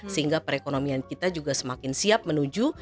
sehingga perekonomian kita juga semakin siap menuju